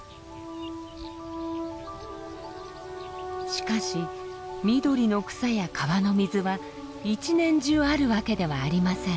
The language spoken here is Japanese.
しかし緑の草や川の水は一年中あるわけではありません。